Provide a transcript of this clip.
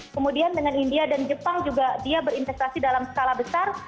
kemudian dengan india dan jepang juga dia berinvestasi dalam skala besar